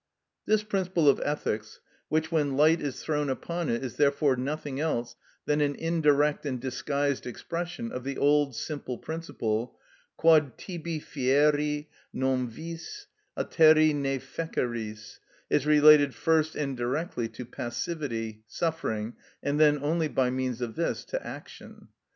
This principle of ethics, which when light is thrown upon it is therefore nothing else than an indirect and disguised expression of the old, simple principle, "Quod tibi fieri non vis, alteri ne feceris," is related first and directly to passivity, suffering, and then only by means of this to action.